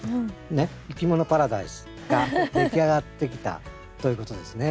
「いきものパラダイス」が出来上がってきたということですね。